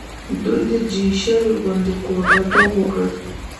دوی د جي شل غونډې کوربه توب وکړ.